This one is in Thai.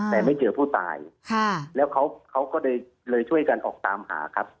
แต่ไม่เจอผู้ตายแล้วเขาก็เลยช่วยกันออกตามหาครับ